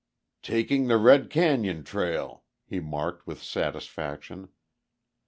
"Taking the Red Cañon trail," he marked with satisfaction.